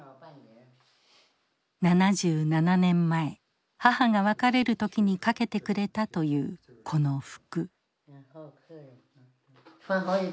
７７年前母が別れる時に掛けてくれたというこの服。